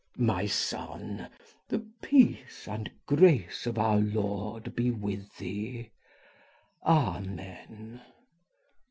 My son, the peace and grace of our Lord be with thee. Amen.